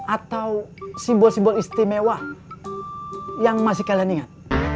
atau simbol simbol istimewa yang masih kalian ingat